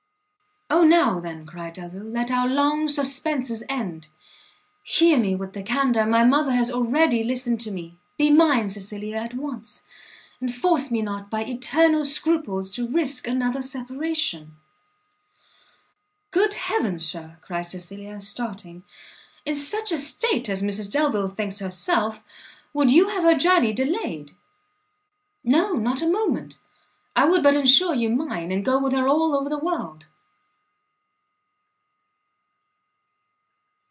"O now, then," cried Delvile, "let our long suspenses end! hear me with the candour; my mother has already listened to me be mine, my Cecilia, at once, and force me not, by eternal scruples, to risk another separation." "Good heaven, Sir!" cried Cecilia, starting, "in such a state as Mrs Delvile thinks herself, would you have her journey delayed?" "No, not a moment! I would but ensure you mine, and go with her all over the world!"